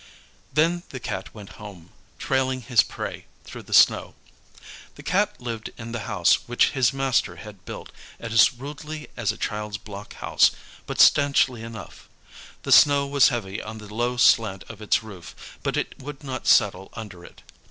Then the Cat went home, trailing his prey through the snow. The Cat lived in the house which his master had built, as rudely as a child's block house, but stanchly enough. The snow was heavy on the low slant of its roof, but it would not settle under it.